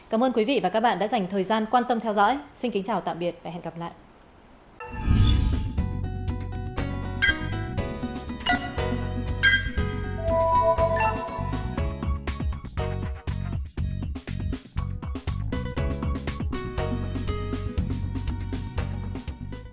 cảm ơn quý vị đã theo dõi và hẹn gặp lại